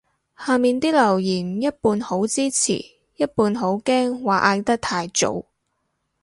下面啲留言一半好支持一半好驚話嗌得太早